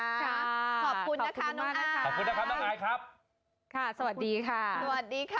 ขอบคุณนะคะน้องอายค่ะขอบคุณนะครับน้องอายครับค่ะสวัสดีค่ะสวัสดีค่ะ